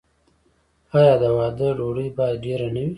آیا د واده ډوډۍ باید ډیره نه وي؟